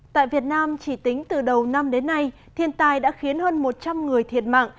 tại việt nam chỉ tính từ đầu năm đến nay thiên tai đã khiến hơn một trăm linh người thiệt mạng